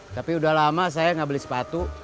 tapi udah lama saya nggak beli sepatu